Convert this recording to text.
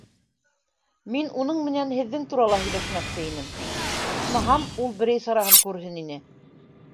Мин уның менән һеҙҙең турала һөйләшмәксе инем, исмаһам, ул берәй сараһын күрһен ине...